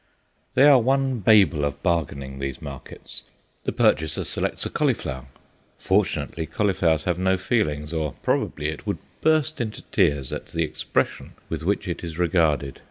They are one babel of bargaining, these markets. The purchaser selects a cauliflower. Fortunately, cauliflowers have no feelings, or probably it would burst into tears at the expression with which it is regarded.